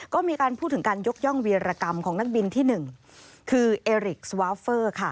ก็มีการพูดถึงการยกย่องเวียรกรรมของนักบินที่๑คือเอริกสวาเฟอร์ค่ะ